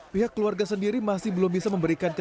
pihak keluarga sendiri masih belum bisa memberikan